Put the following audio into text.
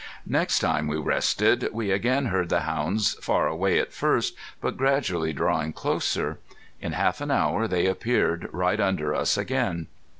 Next time we rested we again heard the hounds, far away at first, but gradually drawing closer. In half an hour they appeared right under us again.